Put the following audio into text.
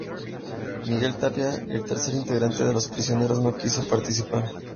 Miguel Tapia, el tercer integrante de Los Prisioneros, no quiso participar.